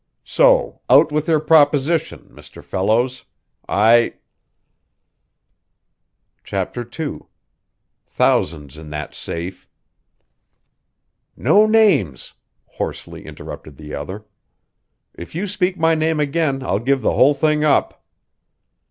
So out with your proposition, Mr. Fellows. I " CHAPTER II "Thousands in that safe" "No names!" hoarsely interrupted the other. "If you speak my name again I'll give the whole thing up."